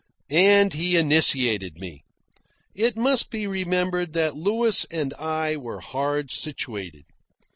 And he initiated me. It must be remembered that Louis and I were hard situated.